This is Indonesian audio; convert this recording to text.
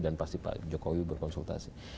dan pasti pak jokowi berkonsultasi